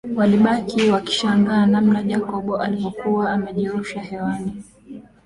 Walibaki wakishangaa namna Jacob alivyokuwa amejirusha hewani